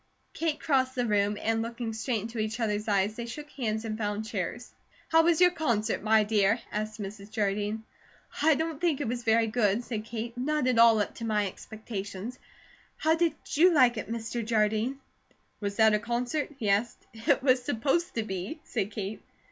Kate crossed the room, and looking straight into each other's eyes they shook hands and found chairs. "How was your concert, my dear?" asked Mrs. Jardine. "I don't think it was very good," said Kate. "Not at all up to my expectations. How did you like it, Mr. Jardine?" "Was that a concert?" he asked. "It was supposed to be," said Kate.